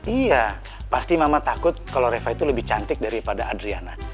iya pasti mama takut kalau reva itu lebih cantik daripada adriana